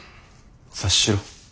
察しろ。